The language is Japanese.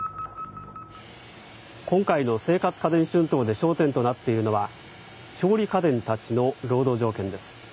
今回の生活家電春闘で焦点となっているのは調理家電たちの労働条件です。